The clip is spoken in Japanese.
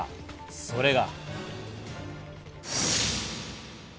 それが。